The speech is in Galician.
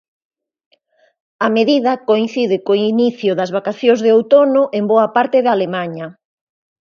A medida coincide co inicio das vacacións de outono en boa parte de Alemaña.